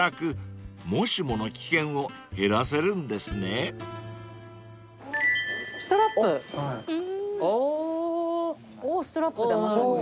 おぉストラップだまさに。